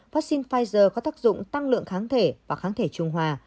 vắc xin pfizer có tác dụng tăng lượng kháng thể và kháng thể trung hòa